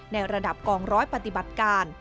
ในระดับกองร้อยปฏิบัติการ